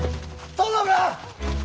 殿が！